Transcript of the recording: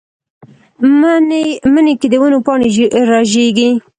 مني کې د ونو پاڼې رژېږي